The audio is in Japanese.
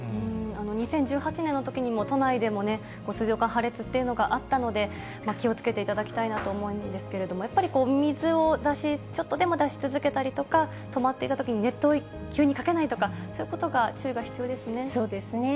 ２０１８年のときにも、都内でも水道管破裂というのがあったので、気をつけていただきたいなと思うんですけれども、やっぱりこう、水を出し、ちょっとでも出し続けたりとか、止まっていたときに熱湯を急にかけないとか、そうですね。